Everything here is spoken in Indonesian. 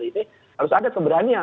ini harus ada keberanian